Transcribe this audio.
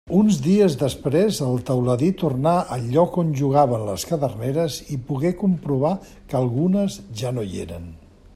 Uns dies després el teuladí tornà al lloc on jugaven les caderneres i pogué comprovar que algunes ja no hi eren.